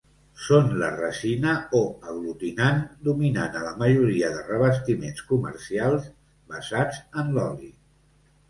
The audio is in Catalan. Són la resina o "aglutinant" dominant a la majoria de revestiments comercials "basats en l'oli".